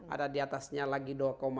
ada diatasnya lagi dua empat